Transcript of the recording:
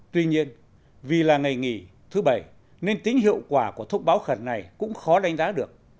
tuy nhiên vì là ngày nghỉ thứ bảy nên tính hiệu quả của thông báo khẩn này cũng khó đánh giá được